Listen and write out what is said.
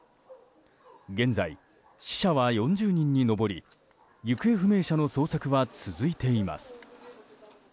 現在、死者は４０人に上り行方不明者の捜索は続いています。